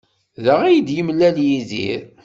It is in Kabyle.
Da ay d-yemlal ed Yidir.